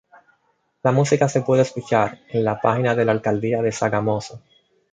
La música se puede escuchar en la página de la Alcaldía de Sogamoso.